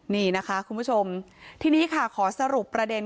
นี่นะคะคุณผู้ชมทีนี้ค่ะขอสรุปประเด็น